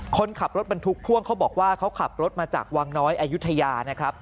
คนขับรถบรรทุกพ่วงเขาบอกว่าเขาขับรถมาจากวังน้อยอายุทยานะครับ